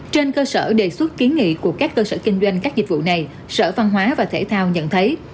trên cơ sở đề xuất kiến nghị của các cơ sở kinh doanh các dịch vụ này sở văn hóa và thể thao nhận thấy